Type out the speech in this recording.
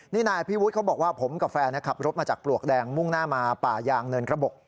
นี่นายพี่วุฒิเขาบอกว่าผมกับแฟนขับรถมาจากปลวกแดงมุ่งหน้ามาป่ายางเนินกระบบ